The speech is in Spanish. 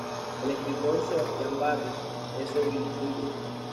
El escritor Sebastian Barry es sobrino suyo.